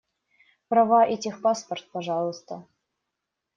Права и техпаспорт, пожалуйста.